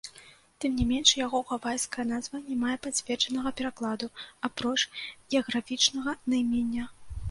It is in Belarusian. Тым не менш, яго гавайская назва не мае пацверджанага перакладу, апроч геаграфічнага наймення.